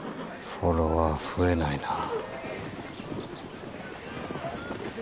フォロワー増えないなぁ。